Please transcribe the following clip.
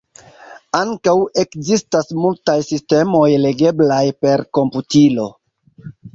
Ankaŭ ekzistas multaj sistemoj legeblaj per komputilo.